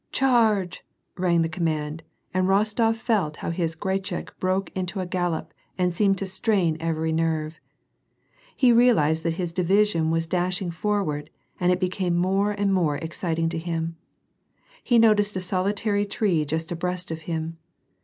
"Charge!" rang the command, and Rostof felt how liis Grachik broke into a gallop and seemed to strain every nerve. He realized that his division was dashing forward and it be came more and more exciting to liim. He noticed a solitary tree just abreast of him.